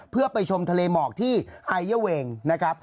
เพื่อไปชมทะเลหมอกที่ไอเยอร์เวงนะครับ